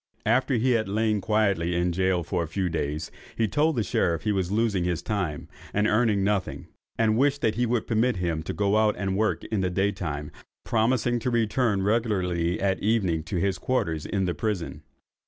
After he had lain quietly in gaol a few days, he told the sheriff that he was losing his time, and earning nothing, and wished that he would permit him to go out and work in the day time, promising to return regularly at evening to his quarters in the prison.